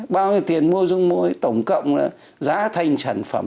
bao nhiêu tiền mua rung môi tổng cộng giá thanh sản phẩm